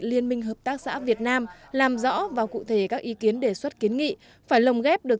liên minh hợp tác xã việt nam làm rõ và cụ thể các ý kiến đề xuất kiến nghị phải lồng ghép được